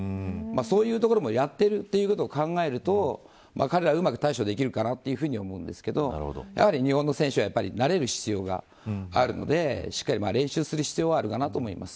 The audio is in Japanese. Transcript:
そういうところもやってるということを考えると彼らはうまく対処できるかなと思うんですけど日本の選手は慣れる必要があるのでしっかり練習する必要はあるかなと思います。